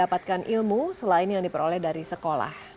mendapatkan ilmu selain yang diperoleh dari sekolah